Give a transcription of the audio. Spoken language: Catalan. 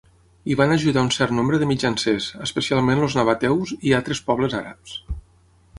Hi van ajudar un cert nombre de mitjancers, especialment els nabateus i altres pobles àrabs.